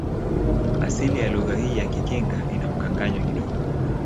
Asili ya lugha hii ya kikinga ina mkanganyo kidogo